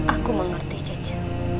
aku mengerti caca